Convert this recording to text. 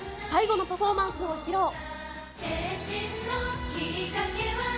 最後のパフォーマンスを披露。